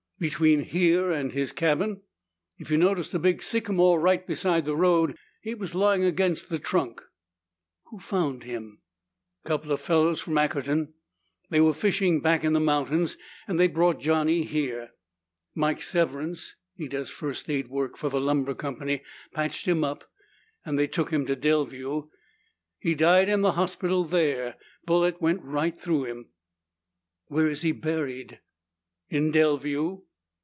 "Between here and his cabin. If you noticed a big sycamore right beside the road, he was lying against the trunk." "Who found him?" "Couple of fellows from Ackerton. They were fishing back in the mountains and they brought Johnny here. Mike Severance, he does first aid work for the lumber company, patched him up and they took him to Delview. He died in the hospital there. Bullet went right through him." "Where is he buried?" "In Delview."